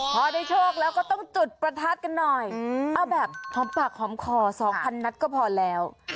พอได้โชคแล้วก็ต้องจุดประทัดกันหน่อยเอาแบบหอมปากหอมคอ๒๐๐นัดก็พอแล้ว